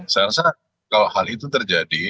saya rasa kalau hal itu terjadi